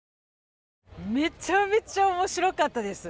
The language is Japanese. めちゃめちゃ面白かったです。